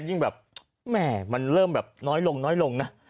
ยิ่งแบบแหม่มันเริ่มแบบน้อยลงน้อยลงนะ